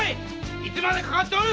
いつまでかかっておる！